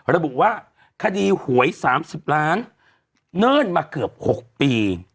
ระบุว่าคดีหวย๓๐ล้านเนิ่นมาเกือบ๖ปี